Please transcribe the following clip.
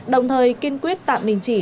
đồng thời kiên quyết tạm đình chỉ